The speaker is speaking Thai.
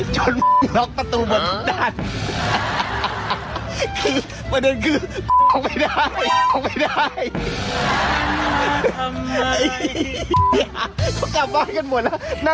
จนล๊อคประตูบนทุกด้าน